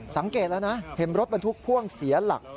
สังเกตแล้วนะเห็นรถบรรทุกพ่วงเสียหลัก